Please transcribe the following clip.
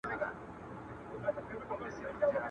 ما کولای سوای په انګليسي کي وليکم او شهرت او عايد تر لاسه کړم `